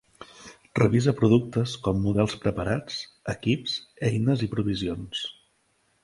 Revisa productes com models preparats, equips, eines i provisions.